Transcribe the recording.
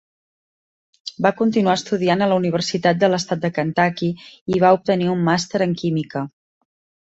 Va continuar estudiant a la Universitat de l'Estat de Kentucky i va obtenir un màster en Química.